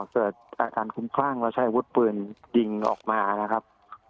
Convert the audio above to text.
เกิดอาการคุ้มคลั่งแล้วใช้อาวุธปืนยิงออกมานะครับ